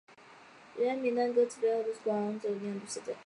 人员名单和歌词背后是高光泽度纸质的生写真。